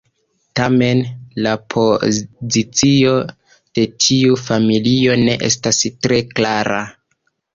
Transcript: Tamen la pozicio de tiu familio ne estas tre klara.